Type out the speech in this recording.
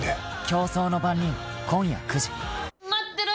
「競争の番人」今夜９時。